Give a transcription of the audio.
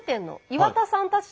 岩田さん